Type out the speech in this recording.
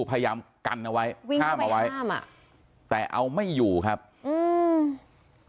พยายามกันเอาไว้วิ่งห้ามเอาไว้ห้ามอ่ะแต่เอาไม่อยู่ครับอืม